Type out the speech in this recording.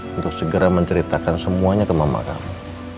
untuk segera menceritakan semuanya ke mama kami